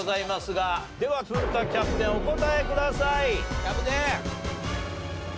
では古田キャプテンお答えください。